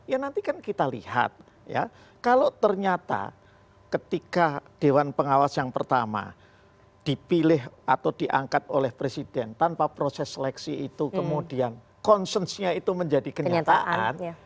ya nanti kan kita lihat ya kalau ternyata ketika dewan pengawas yang pertama dipilih atau diangkat oleh presiden tanpa proses seleksi itu kemudian konsennya itu menjadi kenyataan